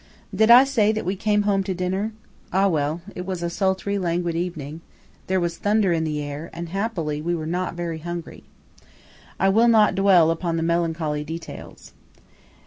Did I say that we came home to dinner? Ah, well, it was a sultry, languid evening; there was thunder in the air; and, happily, we were not very hungry. I will not dwell upon the melancholy details.